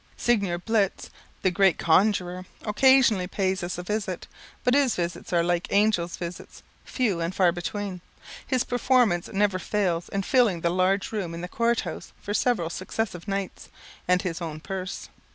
Signor Blitz, the great conjuror, occasionally pays us a visit, but his visits are like angel visits, few and far between. His performance never fails in filling the large room in the court house for several successive nights, and his own purse.